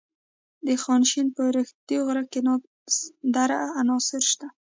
د خانشین په اورښیندونکي غره کې نادره عناصر شته.